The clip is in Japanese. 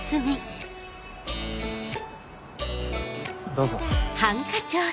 どうぞ。